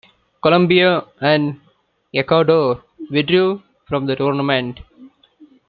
Colombia, and Ecuador withdrew from the tournament.